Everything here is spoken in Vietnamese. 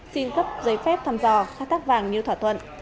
xin cấp giấy phép thăm dò khai thác vàng như thỏa thuận